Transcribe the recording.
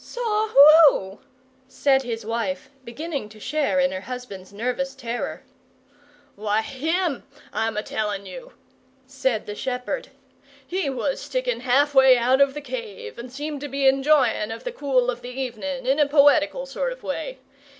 "Saw WHO?" said his wife, beginning to share in her husband's nervous terror. "Why HIM, I'm a telling you!" said the shepherd. "He was sticking half way out of the cave, and seemed to be enjoying of the cool of the evening in a poetical sort of way.